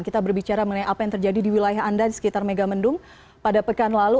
kita berbicara mengenai apa yang terjadi di wilayah anda di sekitar megamendung pada pekan lalu